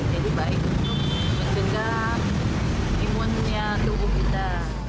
jadi baik untuk menjaga imunnya tubuh kita